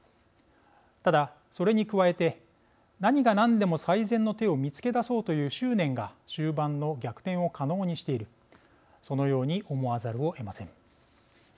ただそれに加えて何が何でも最善の手を見つけ出そうという執念が終盤の逆転を可能にしているそのように思わざるをえません。